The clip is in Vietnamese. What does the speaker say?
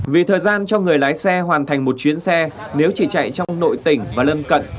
vì thời gian cho người lái xe hoàn thành một chuyến xe nếu chỉ chạy trong nội tỉnh và lân cận